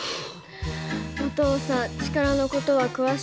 お父さん力の事は詳しいけど。